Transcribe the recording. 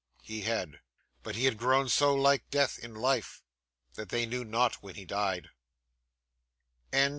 He had. But he had grown so like death in life, that they knew not when he died.